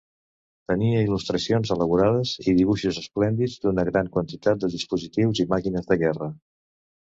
Tenia il·lustracions elaborades i dibuixos esplèndids d'una gran quantitat de dispositius i màquines de guerra.